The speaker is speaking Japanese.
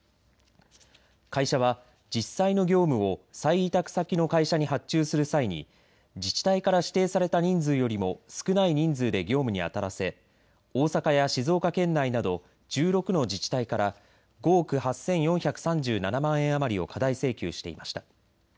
会社は実際の業務を再委託先の会社に発注する際に自治体から指定された人数よりも少ない人数で業務にあたらせ、大阪や静岡県内など１６の自治体から５億８４３７万円余りを過大請求していました。